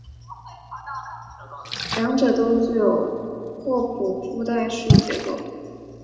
两者都具有霍普夫代数结构。